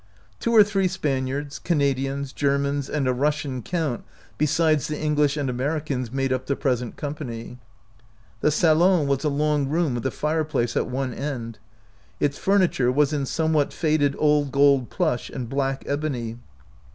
Two or three Spaniards, Canadians, Ger mans, and a Russian count besides the Eng lish and Americans made up the present company. The salon was a long room with a fireplace at one end. Its furniture was in somewhat faded old gold plush and black ebony.